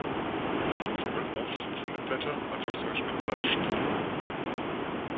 Es gibt sowohl aufsitzende Blätter als auch solche mit Blattstielen.